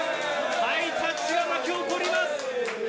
ハイタッチが巻き起こります。